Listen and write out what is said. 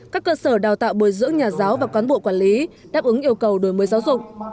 các cơ sở đào tạo bồi dưỡng nhà giáo và cán bộ quản lý đáp ứng yêu cầu đổi mới giáo dục